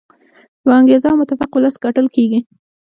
با انګیزه او متفق ولس ګټل کیږي.